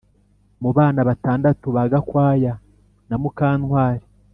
mu bana batandatu ba Gakwaya na Mukantwari